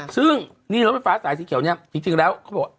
ซึ่งนี่รถไฟฟ้าสายสีเขียวเนี่ยจริงแล้วเขาบอก